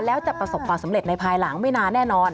แล้วจะประสบความสำเร็จในภายหลังไม่นานแน่นอน